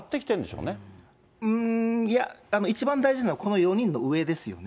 うーん、いや、一番大事なのはこの４人の上ですよね。